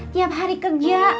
tiap hari kerja